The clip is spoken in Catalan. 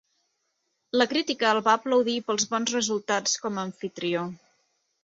La crítica el va aplaudir pels bons resultats com a amfitrió.